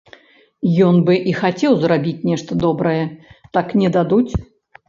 Ён бы і хацеў зрабіць нешта добрае, так не дадуць.